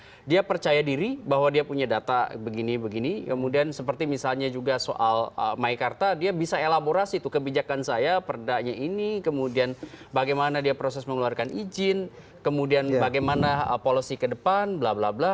jadi itu dia sendiri bahwa dia punya data begini begini kemudian seperti misalnya juga soal meikarta dia bisa elaborasi itu kebijakan saya perdanya ini kemudian bagaimana dia proses mengeluarkan izin kemudian bagaimana policy kedepan bla bla bla